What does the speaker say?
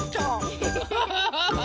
ウフフフフ。